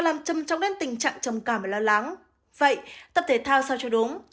thể chống đến tình trạng trầm cảm và lo lắng vậy tập thể thao sao cho đúng